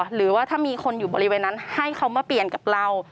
หรือว่าถ้ามีคนอยู่บริเวณนั้นให้เขามาเปลี่ยนกับเรา